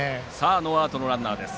ノーアウトのランナーです。